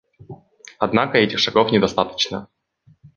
Однако этих шагов недостаточно.